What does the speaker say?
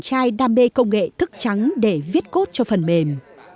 các em chàng trai đam mê công nghệ thức trắng để viết code cho phần mềm